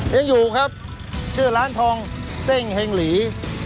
ยังอยู่ครับชื่อร้านทองเซ่งเฮงหลี